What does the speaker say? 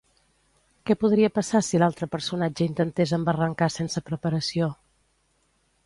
Què podria passar si l'altre personatge intentés embarrancar sense preparació?